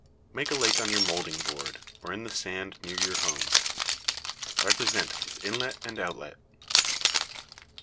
Make a lake on your molding board, or in the sand near your home. Represent its inlet and outlet.